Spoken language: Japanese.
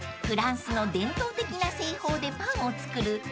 ［フランスの伝統的な製法でパンを作る］